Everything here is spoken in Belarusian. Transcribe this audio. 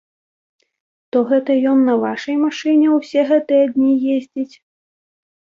То гэта ён на вашай машыне ўсе гэтыя дні ездзіць?